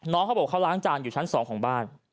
เขาบอกเขาล้างจานอยู่ชั้น๒ของบ้าน